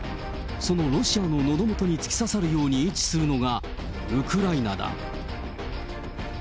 そのロシアののど元に突き刺さるように位置するのが、ウクライナだ。